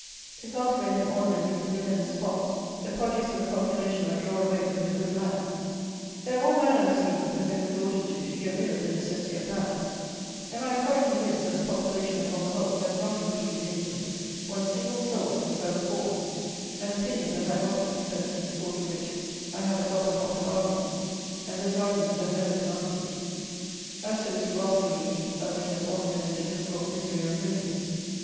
To cultivate and ornament these villanous spots the produce and the population are drawn away from the good lands. There all manner of schemes have been resorted to to get rid of the necessity of hands; and, I am quite convinced, that the population, upon the whole, has not increased, in England, one single soul since I was born; an opinion that I have often expressed, in support of which I have as often offered arguments, and those arguments have never been answered. As to this rascally heath, that which has ornamented it has brought misery on millions.